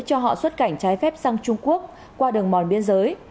cho họ xuất cảnh trái phép sang trung quốc qua đường mòn biên giới